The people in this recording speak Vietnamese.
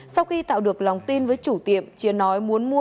sau khi tạo được lòng tin với chủ tiệm chia nói muốn mua